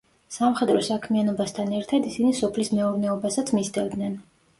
სამხედრო საქმიანობასთან ერთად ისინი სოფლის მეურნეობასაც მისდევდნენ.